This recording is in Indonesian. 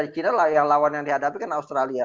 di china lawan yang dihadapi kan australia